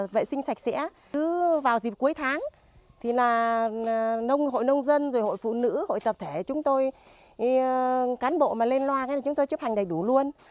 vệ sinh sạch sẽ vào dịp cuối tháng thì là hội nông dân hội phụ nữ hội tập thể chúng tôi cán bộ lên loa chúng tôi chấp hành đầy đủ luôn